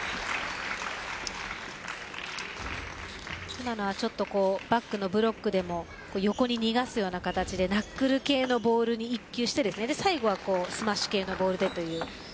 今のは、ちょっとバックのブロックでも横に逃がすような形でナックル系のボールに１球して最後はスマッシュ系のボールでという。